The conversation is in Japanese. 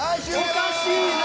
おかしいね。